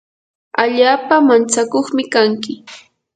allaapa mantsakuqmi kanki.